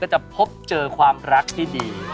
จะพบเจอความรักที่ดี